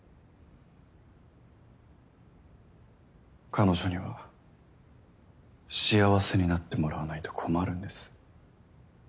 彼女には幸せになってもらわないと困るんです。